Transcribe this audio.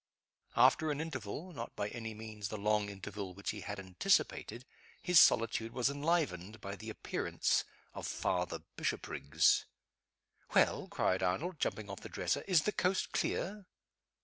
After an interval not by any means the long interval which he had anticipated his solitude was enlivened by the appearance of Father Bishopriggs. "Well?" cried Arnold, jumping off the dresser, "is the coast clear?"